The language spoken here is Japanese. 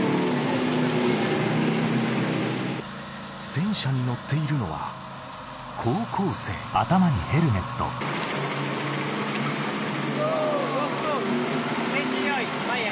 戦車に乗っているのは高校生オ！